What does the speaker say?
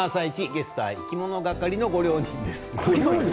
ゲストはいきものがかりのご両人です。